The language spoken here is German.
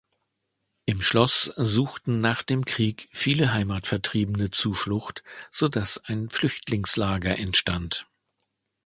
Im Schloss suchten nach dem Krieg viele Heimatvertriebene Zuflucht, so dass ein Flüchtlingslager entstand.